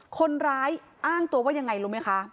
คนร้ายอ้างตัวว่ายังไงรู้ไหมคะ